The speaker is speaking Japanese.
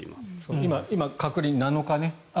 今、隔離７日ね。